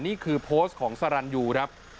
นี่คือโพสต์ของสรรยูครับ